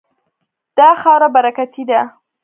دا خاوره برکتي ده.